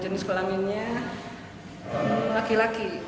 jenis kelaminnya laki laki